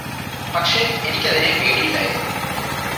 പക്ഷെ എനിക്കതിനെ പേടിയില്ലായിരുന്നു